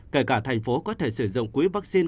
kể cả thành phố có thể sử dụng quỹ vaccine